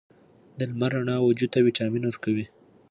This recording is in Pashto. د لمر رڼا وجود ته ویټامین ورکوي.